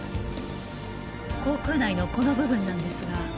口腔内のこの部分なんですが。